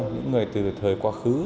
những người từ thời quá khứ